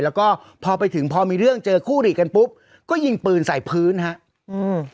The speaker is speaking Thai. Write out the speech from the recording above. แล้วก็พอไปถึงพอมีเรื่องเจอคู่หลีกันปุ๊บก็ยิงปืนใส่พื้นฮะอืม